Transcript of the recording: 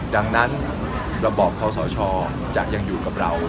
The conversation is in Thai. ดังนั้นระบอบคอสชจะยังอยู่กับเรา